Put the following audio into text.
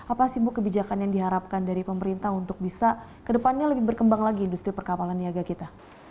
apa sih bu kebijakan yang diharapkan dari pemerintah untuk bisa kedepannya lebih berkembang lagi industri perkapalan niaga kita